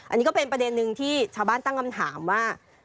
อันนี้ก็เป็นประเด็นนึงที่ชาวบ้านตั้งคำถามว่า